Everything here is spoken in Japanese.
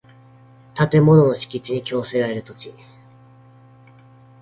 建物の敷地に供せられる土地